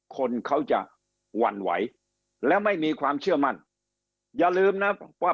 คนเขาจะหวั่นไหวแล้วไม่มีความเชื่อมั่นอย่าลืมนะว่า